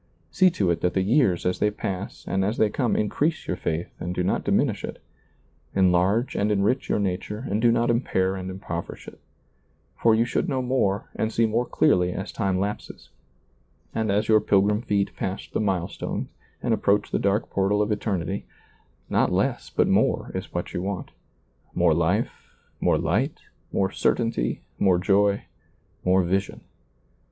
See to it that the years as they pass and as they come increase your faith and do not diminish it ; enlarge and enrich your nature and do not impair and impoverish it For you should know more and see more clearly as time lapses, and as your pilgrim feet pass the milestones and approach the dark portal of eternity; not less, but more is what you want; more life, more light, more certainty, more joy, more vision.